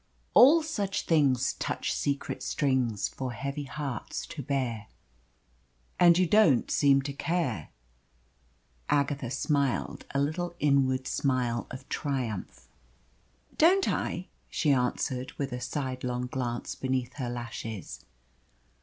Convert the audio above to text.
All such things touch secret strings For heavy hearts to bear. "And you don't seem to care." Agatha smiled a little inward smile of triumph. "Don't I?" she answered, with a sidelong glance beneath her lashes.